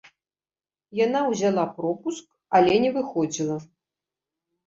Яна ўзяла пропуск, але не выходзіла.